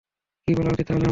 কী বলা উচিৎ তাহলে আমার?